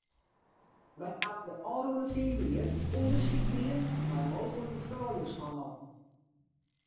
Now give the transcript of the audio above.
Wy hawwe de ôfrûne fiif jier ûndersyk dien nei mooglike frouljushannel.